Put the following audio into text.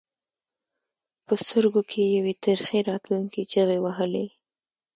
په سترګو کې یې یوې ترخې راتلونکې چغې وهلې.